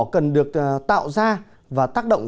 cần được tạo ra và tác động